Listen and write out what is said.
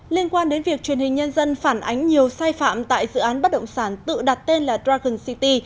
liên quan đến việc truyền hình nhân dân phản ánh nhiều sai phạm tại dự án bất động sản tự đặt tên là dragon city